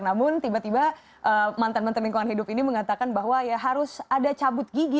namun tiba tiba mantan menteri lingkungan hidup ini mengatakan bahwa ya harus ada cabut gigi